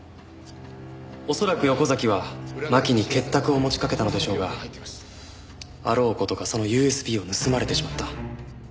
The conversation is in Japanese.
恐らく横崎は巻に結託を持ちかけたのでしょうがあろう事かそのＵＳＢを盗まれてしまった。